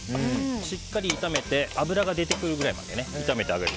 しっかり炒めて脂が出てくるくらいまで炒めてあげる。